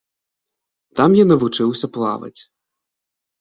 Там я навучыўся плаваць.